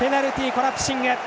コラプシング。